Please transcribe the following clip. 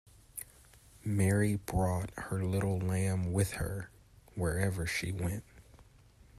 Mary brought her little lamb with her, wherever she went.